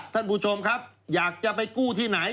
ท่านผู้ชมครับอยากจะไปกู้ที่ไหน